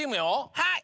はい！